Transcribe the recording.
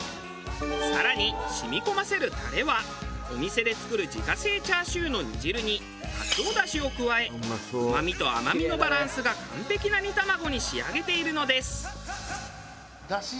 更に染み込ませるタレはお店で作る自家製チャーシューの煮汁にカツオ出汁を加えうまみと甘みのバランスが完璧な煮卵に仕上げているのです。